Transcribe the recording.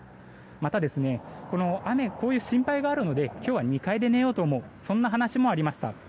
また、この雨で心配があるので今日は２階で寝ようと思うという話もありました。